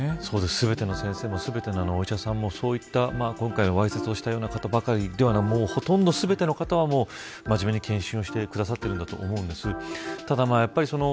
すべての先生もすべてのお医者さんも今回、わいせつをしたような人ばかりというのはほとんど全ての方は、真面目に健診をしてくださっていると思います。